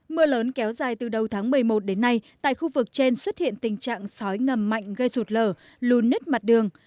mưa lớn kéo dài từ đầu tháng một mươi một đến nay tại khu vực trên xuất hiện tình trạng sói ngầm mạnh gây sụt lở lùn nứt mặt đường